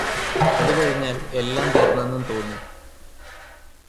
അതുകഴിഞ്ഞാല് എല്ലാം തീര്ന്നെന്നും തോന്നും